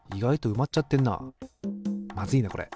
まずいなこれ。